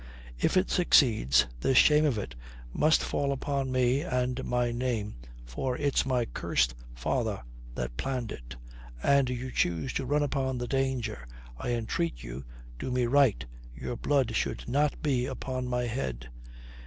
If it succeeds, the shame of it must fall upon me and my name, for it's my cursed father that planned it. And you choose to run upon the danger. I entreat you, do me right. Your blood should not be upon my head."